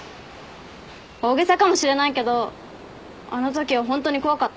大げさかもしれないけどあのときはホントに怖かった。